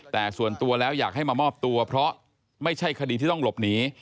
แต่ส่วนตัวแล้วอยากให้มามอบตัวเพราะไม่ใช่คดีที่ต้องหลบหนี